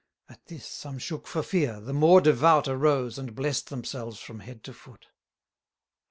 At this, some shook for fear, the more devout Arose, and bless'd themselves from head to foot.